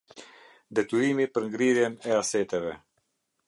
Detyrimi për ngrirjen e aseteve.